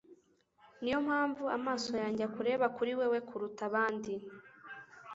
niyo mpamvu amaso yanjye akureba kuri wewe kuruta abandi